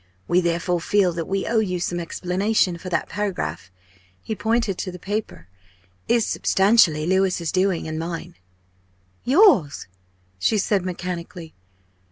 We therefore feel that we owe you some explanation. For that paragraph" he pointed to the paper "is, substantially Louis's doing, and mine." "Yours?" she said mechanically.